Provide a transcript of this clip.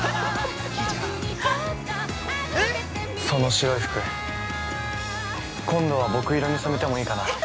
その白い服、今度は僕色に染めてもいいかな。